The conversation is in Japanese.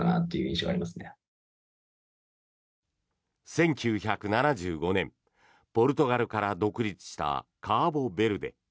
１９７５年、ポルトガルから独立したカボベルデ。